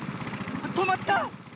とまった！